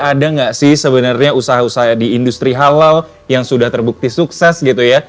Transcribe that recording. ada nggak sih sebenarnya usaha usaha di industri halal yang sudah terbukti sukses gitu ya